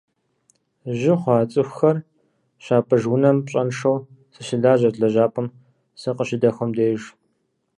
Жьы хъуа цӏыхухэр щапӏыж унэм пщӏэншэу сыщылажьэрт лэжьапӏэм сыкъыщыдэхуэм деж.